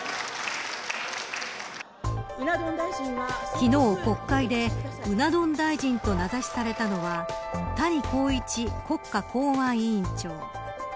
昨日、国会でうな丼大臣と名指しされたのは谷公一国家公安委員長。